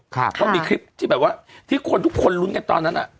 เพราะมีคลิปที่แบบว่าที่คนทุกคนลุ้นกันตอนนั้นอ่ะ